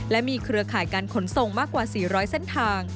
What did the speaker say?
และมีเครือข่ายการขนส่งมากกว่า๔๐๐เส้นทาง